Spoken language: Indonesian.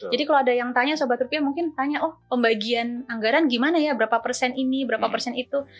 jadi kalau ada yang tanya sobat rupiah mungkin tanya oh pembagian anggaran gimana ya berapa persen ini berapa persen itu